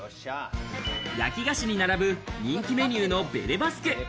焼き菓子に並ぶ人気メニューのベレ・バスク。